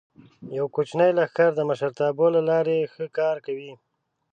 یو کوچنی لښکر د مشرتابه له لارې ښه کار کوي.